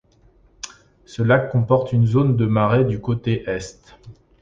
Ce lac comporte une zone de marais du côté est.